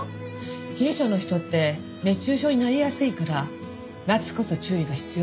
冷え性の人って熱中症になりやすいから夏こそ注意が必要なのよね。